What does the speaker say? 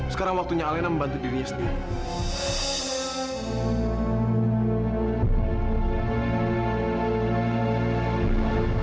sekarang waktunya alena membantu dirinya sendiri